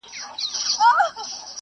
که خولۍ وي نو سر نه یخ وهي.